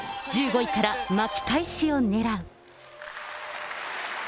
１５位から巻き返しをねらう。